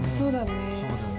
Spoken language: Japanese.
そうだね。